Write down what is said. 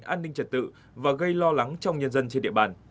tình hình an ninh trật tự và gây lo lắng trong nhân dân trên địa bàn